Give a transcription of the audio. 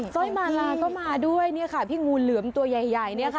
สร้อยมาลาก็มาด้วยเนี่ยค่ะพี่งูเหลือมตัวใหญ่เนี่ยค่ะ